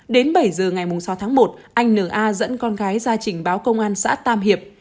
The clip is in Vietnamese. đến bảy giờ ngày sáu tháng một anh n a dẫn con gái ra trình báo công an xã tam hiệp